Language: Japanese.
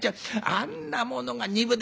あんなものが２分で」。